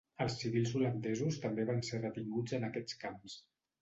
Els civils holandesos també van ser retinguts en aquests camps.